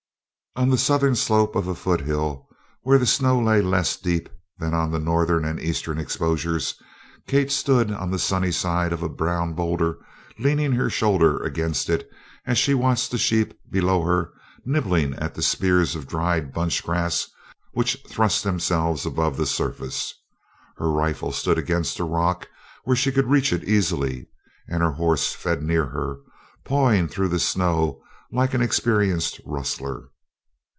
On the southern slope of a foothill where the snow lay less deep than on the northern and eastern exposures, Kate stood on the sunny side of a brown boulder leaning her shoulder against it as she watched the sheep below her nibbling at the spears of dried bunch grass which thrust themselves above the surface. Her rifle stood against a rock where she could reach it easily, and her horse fed near her, pawing through the snow, like an experienced "rustler."